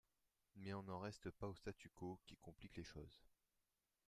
Mais on n’en reste pas au statu quo qui complique les choses.